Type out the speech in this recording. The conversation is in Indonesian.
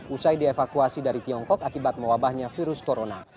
usai dievakuasi dari tiongkok akibat mewabahnya virus corona